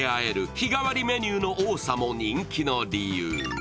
日替わりメニューの多さも人気の理由。